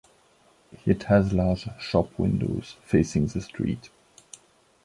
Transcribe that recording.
It has large shop windows facing the street.